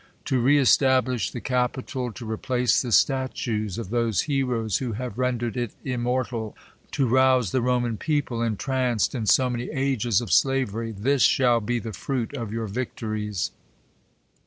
To re establish the capital ; to replace the statues of those heroes who have rendered it immortal ; t9 rouse the Roman people entranced in 'so many ages o{ slavery ; this shall be the fruit of your victories.